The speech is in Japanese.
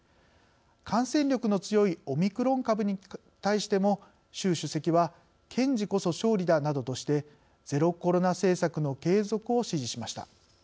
感染力の強いオミクロン株に対しても習主席は堅持こそ勝利だ、などとしてゼロコロナ政策の継続を指示しました。